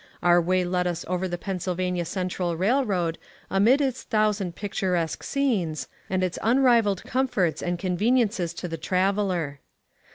Our way led us over the Pennsylvania Central Railroad, amid its thousand pic turesque scenes, and its unrivaled comforts and conveni ences to the traveler.